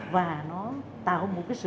và nó tạo một sự thông minh